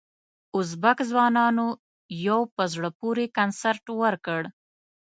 ازبک ځوانانو یو په زړه پورې کنسرت ورکړ.